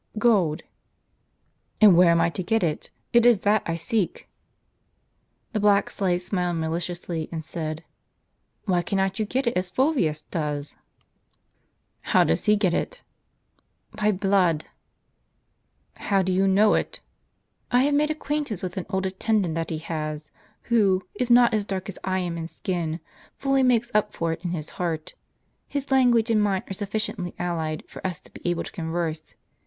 '' "Gold." " And where am I to get it? it is that I seek." The black slave smiled maliciously, and said : "Why cannot you get it as Fulvius does?" " How does he get it? " "By blood!" " How do you know it ?"" I have made acquaintance with an old attendant that he has, who, if not as dark as I am in skin, fully makes up for it in his heart. His language and mine are sufficiently allied for us to be able to converse.